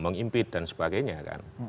mengimpit dan sebagainya kan